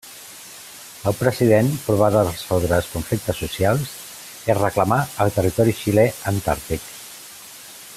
El president provà de resoldre els conflictes socials i reclamà el Territori Xilè Antàrtic.